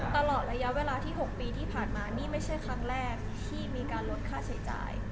ตลอดระยะเวลาที่๖ปีที่ผ่านมานี่ไม่ใช่ครั้งแรกที่มีการลดค่าใช้จ่าย